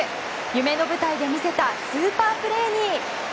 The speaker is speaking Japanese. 夢の舞台で見せたスーパープレーに。